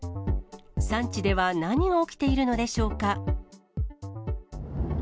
産地では何が起きているのでしょうか。